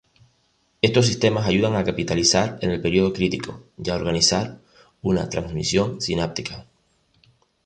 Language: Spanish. Estos sistemas ayudan a capitalizar en el periodo crítico y organizar la transmisión sináptica.